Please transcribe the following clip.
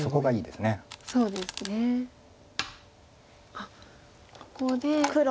あっここで一旦。